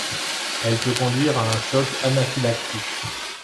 Elle peut conduire à un choc anaphylactique.